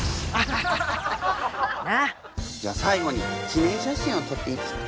じゃあ最後に記念写真を撮っていいですか？